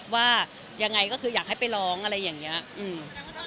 ว่ายังไงก็คืออยากให้ไปร้องอะไรอย่างเงี้ยอืม